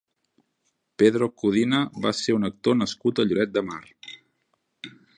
Pedro Codina va ser un actor nascut a Lloret de Mar.